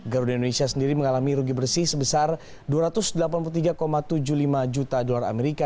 garuda indonesia sendiri mengalami rugi bersih sebesar dua ratus delapan puluh tiga tujuh puluh lima juta dolar amerika